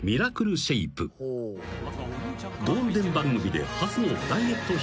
［ゴールデン番組で初のダイエット比較実験］